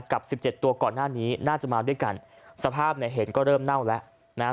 สิบเจ็ดตัวก่อนหน้านี้น่าจะมาด้วยกันสภาพเนี่ยเห็นก็เริ่มเน่าแล้วนะฮะ